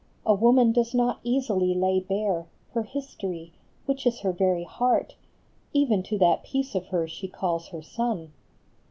A woman does not easily lay bare Her history, which is her very heart, Even to that piece of her she calls her son